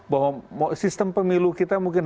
bahwa sistem pemilu kita mungkin